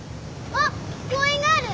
あっ公園がある。